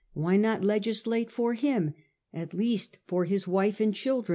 Why not legislate for him — at least for his wife and children